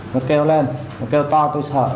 nó kêu lên nó kêu to tôi sợ